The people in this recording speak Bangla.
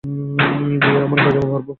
গিয়ে আমার পায়জামা পরবো।